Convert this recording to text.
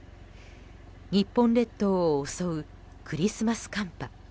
日本列島を襲うクリスマス寒波。